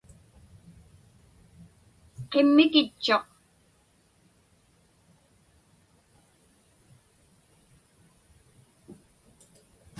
Qimmikitchuq.